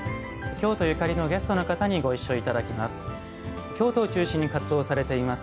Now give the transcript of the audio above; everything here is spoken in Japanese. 京都ゆかりのゲストの方にご一緒いただきます。